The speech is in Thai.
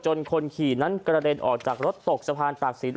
คนขี่นั้นกระเด็นออกจากรถตกสะพานตากศิลป